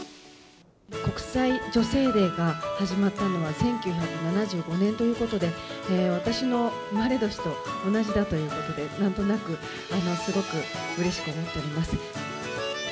国際女性デーが始まったのは、１９７５年ということで、私の生まれ年と同じだということで、なんとなくすごくうれしく思っております。